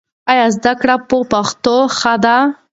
ایا زده کړه په پښتو ښه ده؟